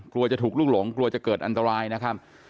กลัวจะถูกลุกหลงกลัวจะเกิดอันตรายนะครับ